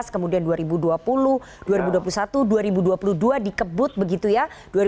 kemudian dua ribu dua puluh dua ribu dua puluh satu dua ribu dua puluh dua dikebut begitu ya